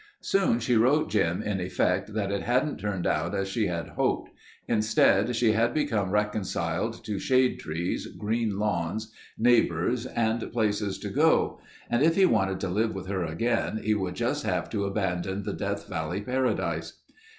Soon she wrote Jim in effect that it hadn't turned out as she had hoped. Instead, she had become reconciled to shade trees, green lawns, neighbors, and places to go and if he wanted to live with her again he would just have to abandon the Death Valley paradise.